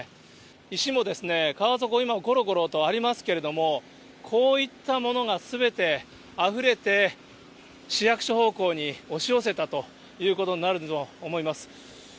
石も川底、今、ごろごろとありますけれども、こういったものがすべてあふれて市役所方向に押し寄せたということになると思います。